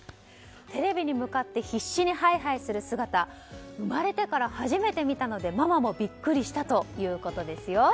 テレビに向かって必死にハイハイする姿生まれてから初めて見たのでママもビックリしたということです。